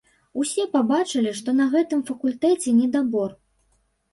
Усе пабачылі, што на гэтым факультэце недабор.